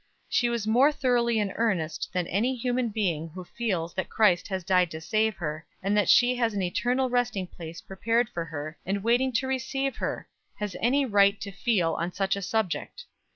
she was more thoroughly in earnest than any human being who feels that Christ has died to save her, and that she has an eternal resting place prepared for her, and waiting to receive her, has any right to feel on such a subject.